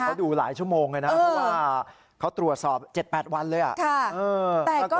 เขาดูหลายชั่วโมงเลยนะเพราะว่าเขาตรวจสอบเจ็ดแปดวันเลยอะค่ะเออ